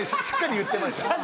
しっかり言ってました。